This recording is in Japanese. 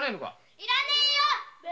いらねえよ。